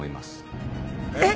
えっ！？